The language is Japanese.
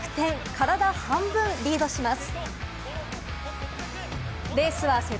体半分リードします。